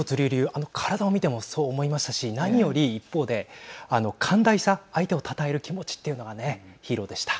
あの体を見てもそう思いましたし何より一方で寛大さ、相手をたたえる気持ちというのはね、ヒーローでした。